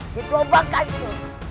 di plobaka itu